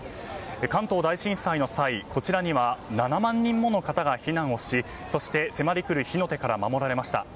関東大震災の際、こちらには７万人もの方が避難をし、そして迫りくる火の手から守られました。